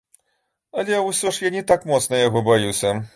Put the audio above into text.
Але ўсё ж я не так моцна яго баюся.